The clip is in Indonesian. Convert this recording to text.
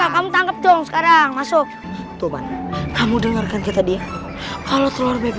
kamu tangkap dong sekarang masuk tuhan kamu dengarkan kita dia kalau telur bebek